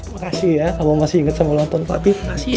makasih ya kalo masih inget sama ulang tahun papi